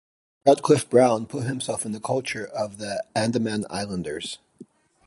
Radcliffe-Brown put himself in the culture of the Andaman Islanders.